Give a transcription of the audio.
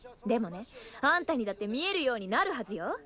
でもねあんたにだって見えるようになるはずよ。